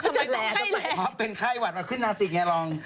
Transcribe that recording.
จัดแหล่ก็ไปเพราะเป็นไข้หวัดมันขึ้นนาสิกไงลอง